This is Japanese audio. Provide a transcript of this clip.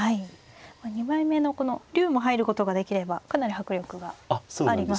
２枚目のこの竜も入ることができればかなり迫力がありますよね。